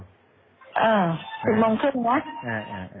๑๐โมงครึ่งนะ